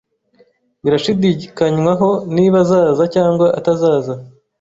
Birashidikanywaho niba azaza cyangwa atazaza.